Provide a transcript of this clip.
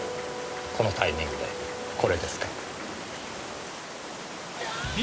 このタイミングでこれですか。